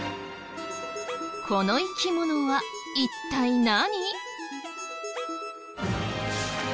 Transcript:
この生き物は一体何？